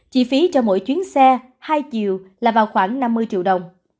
chi phí cho mỗi chuyến xe hai chiều là vào khoảng năm mươi triệu đồng